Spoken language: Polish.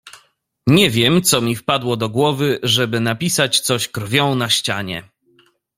"Nie wiem co mi wpadło do głowy, żeby napisać coś krwią na ścianie."